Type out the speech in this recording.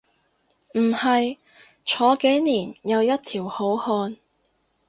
唔係，坐幾年又一條好漢